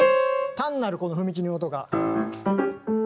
単なるこの踏切の音が。